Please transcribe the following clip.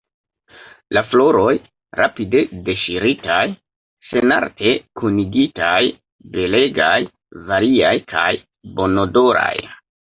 La floroj, rapide deŝiritaj, senarte kunigitaj, belegaj, variaj kaj bonodoraj.